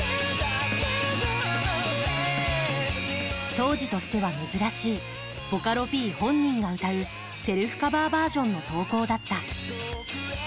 当時としては珍しいボカロＰ本人が歌うセルフカバーバージョンの投稿だった。